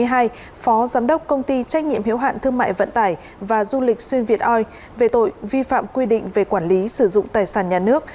phó giám đốc công ty trách nhiệm hiếu hạn thương mại vận tải và du lịch xuyên việt oi về tội vi phạm quy định về quản lý sử dụng tài sản nhà nước